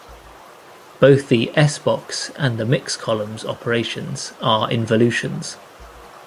Both the S-box and the mix columns operations are involutions.